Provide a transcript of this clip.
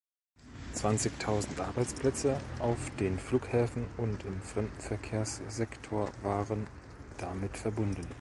Zwanzigtausend Arbeitsplätze auf den Flughäfen und im Fremdenverkehrssektor waren damit verbunden.